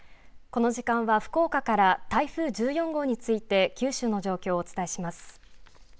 この時間は福岡から台風１４号について九州の状況をお伝えします。